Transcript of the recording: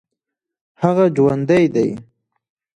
هغه جوندى دى.